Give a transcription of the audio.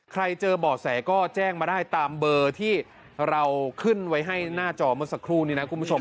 ใครเจอบ่อแสก็แจ้งมาได้ตามเบอร์ที่เราขึ้นไว้ให้หน้าจอเมื่อสักครู่นี้นะคุณผู้ชม